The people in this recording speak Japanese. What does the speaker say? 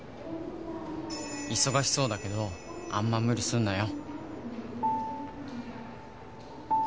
「忙しそうだけどあんま無理すんなよ！」